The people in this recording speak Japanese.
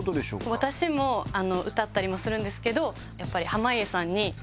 私も歌ったりもするんですけどやっぱり。